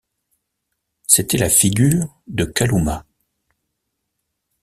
C’était la figure de Kalumah!